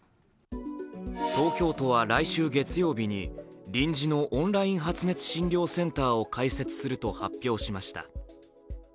東京都は来週月曜日に臨時のオンライン発熱診療センターを開設すると発表しました。